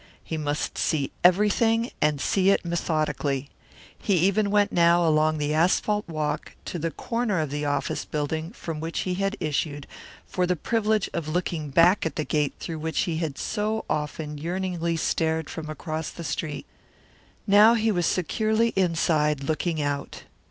He must see everything and see it methodically. He even went now along the asphalt walk to the corner of the office building from which he had issued for the privilege of looking back at the gate through which he had so often yearningly stared from across the street. Now he was securely inside looking out.